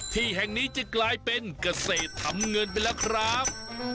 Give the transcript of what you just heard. ที่แห่งนี้จะกลายเป็นเกษตรทำเงินไปแล้วครับ